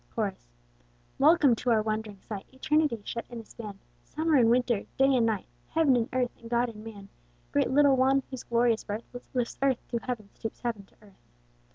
Chorus. Welcome to our wond'ring sight Eternity shut in a span! Summer in winter! Day in night! Heaven in Earth! and God in Man! Great little one, whose glorious birth, Lifts Earth to Heaven, stoops heaven to earth.